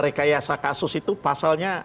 rekayasa kasus itu pasalnya